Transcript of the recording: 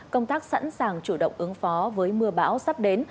công tác sẵn sàng chủ động ứng phó với mưa bão sắp đến